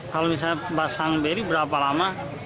kalau bisa dipasang beli berapa lama